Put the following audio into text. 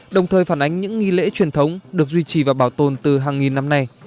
đồng thời phản ánh những nghi lễ truyền thống được duy trì và bảo tồn từ hàng nghìn năm nay